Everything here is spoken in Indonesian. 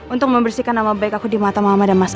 untuk membersihkan nama baik aku di mata mama dan mas